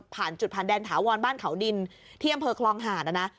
ผ่านจุดผ่านแดนถาวรบ้านเขาดินที่อำเภอคลองหาดนะนะ